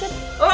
ini gak ikut